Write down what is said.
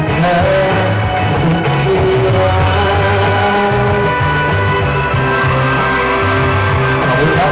ขอบคุณทุกเรื่องราว